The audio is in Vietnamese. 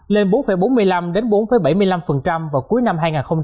lên bốn bốn mươi năm bốn bảy mươi năm vào cuối năm hai nghìn hai mươi ba